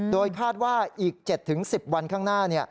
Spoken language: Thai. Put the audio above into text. โดยคาดว่าอีก๗๑๐วันข้างหน้า